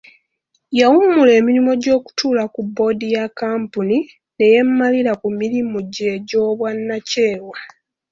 Yawummula emirimu gy'okutuula ku bboodi ya kkampuni ne yeemalira ku mirimu gye egy'obwannakyewa.